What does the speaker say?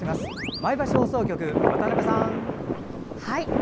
前橋放送局、渡辺さん。